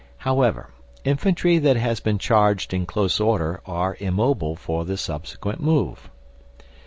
However, infantry that have been charged in close order are immobile for the subsequent move.